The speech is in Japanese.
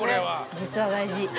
実は大事。